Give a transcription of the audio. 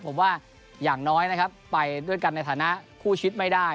ผมว่าอย่างน้อยนะครับไปด้วยกันในฐานะคู่ชีวิตไม่ได้